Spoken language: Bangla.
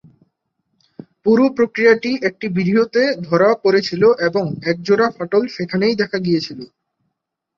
পুরো প্রক্রিয়াটি একটি ভিডিওতে ধরা পড়েছিল এবং একজোড়া ফাটল সেখানেই দেখা গিয়েছিল।